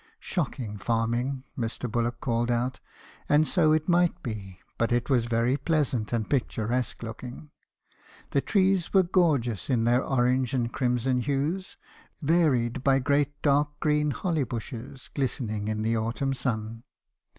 ' Shocking farming!' Mr. Bullock called out; and so it might be, but it was very pleasant and picturesque looking. The trees were gorgeous , in their orange and crimson hues , varied by great dark green holly bushes, glistening in the autumn sun.